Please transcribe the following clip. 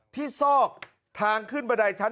ซอกทางขึ้นบันไดชั้น